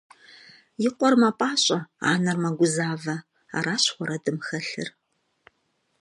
И къуэр мэпӀащӀэ, анэр мэгузавэ – аращ уэрэдым хэлъыр.